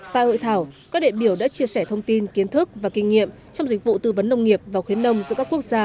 tại hội thảo các đệ biểu đã chia sẻ thông tin kiến thức và kinh nghiệm trong dịch vụ tư vấn nông nghiệp và khuyến nông giữa các quốc gia